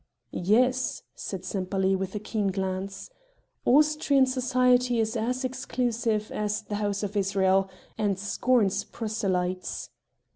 "Yes," said Sempaly with a keen glance, "Austrian society is as exclusive as the House of Israel, and scorns proselytes."